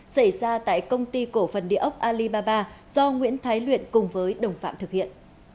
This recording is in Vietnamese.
xảy ra tại công ty cổ phần địa ốc alibaba do nguyễn thái luyện cùng với đồng phạm thực hiện